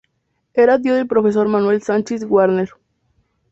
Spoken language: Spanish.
Era tío del profesor Manuel Sanchis Guarner.